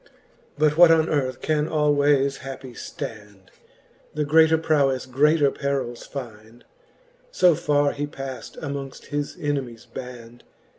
But what on earth can alwayes happie ftand ? The greater proweile greater perils find. So farre he paft amongft his enemies band.